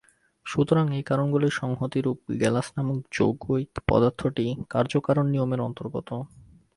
সুতরাং এই কারণগুলির সংহতি-রূপ গেলাস নামক যৌগিক পদার্থটি কার্যকারণ-নিয়মের অন্তর্গত।